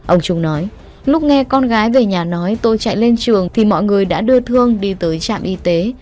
ông trung nói lúc nghe con gái về nhà nói tôi chạy lên trường thì mọi người đã đưa thương đi tới trạm y tế